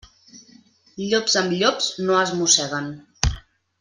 Llops amb llops no es mosseguen.